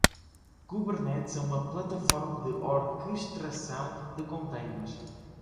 Kubernetes é uma plataforma de orquestração de contêineres.